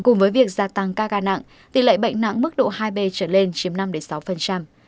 cùng với việc gia tăng ca ca nặng tỷ lệ bệnh nặng mức độ hai b trở lên chiếm năm sáu